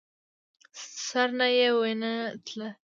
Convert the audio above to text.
سر نه يې وينه تله.